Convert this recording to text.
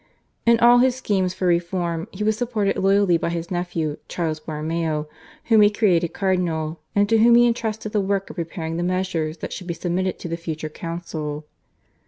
In all his schemes for reform he was supported loyally by his nephew, Charles Borromeo, whom he created cardinal, and to whom he entrusted the work of preparing the measures that should be submitted to the future council.